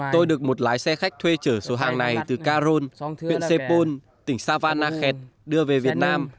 tôi được một lái xe khách thuê chở số hàng này từ caron huyện sepul tỉnh savana khet đưa về việt nam